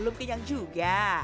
belum kenyang juga